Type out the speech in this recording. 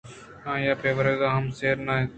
آیاں پہ ورگءَ ہم سیر نہ